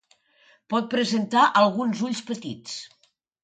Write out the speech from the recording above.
Pot presentar alguns ulls petits.